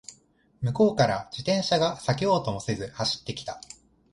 向こうから自転車が避けようともせず走ってきた